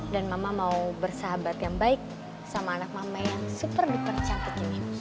dan mama mau bersahabat yang baik sama anak mama yang super duper cantik ini